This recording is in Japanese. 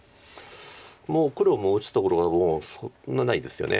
もう黒も打つところはそんなないですよね。